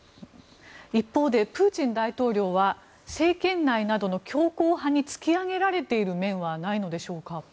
一方でプーチン大統領は政権内などの強硬派に突き上げられている面はないのでしょうか。